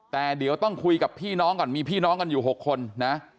แต่เดี๋ยวต้องคุยกับพี่น้องก่อนมีพี่น้องกันอยู่๖คนนะ